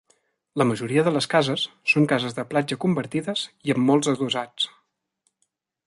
La majoria de les cases són cases de platja convertides i amb molts adossats.